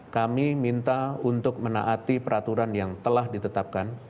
kami minta untuk menaati peraturan yang telah ditetapkan